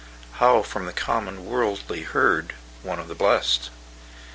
How, from the common worldly herd, One of the blest?